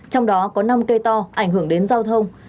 trong đó có năm cây to ảnh hưởng đến giao thông